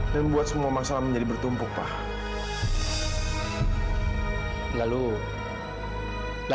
tapi aku ngaba ngabaan heli rambut muka